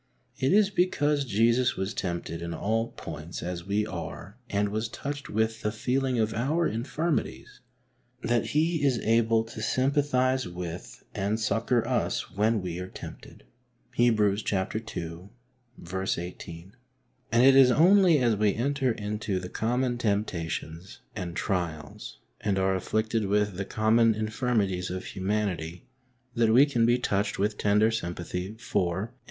It is because Jesus was tempted in all points as we are and was touched with the feeling of our infirmities, that He is able to sympathise with and succour us when we are tempted ii. 18). And it is only as we enter into the common temptations and trials and are afflicted with the common infirmities of humanity, that we can be touched with tender sympathy for and.